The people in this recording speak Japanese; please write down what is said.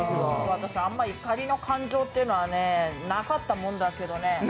私、あまり怒りの感情ってのはなかったもんだけどね。